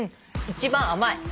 一番甘い。